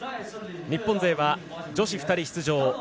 日本勢は女子２人出場。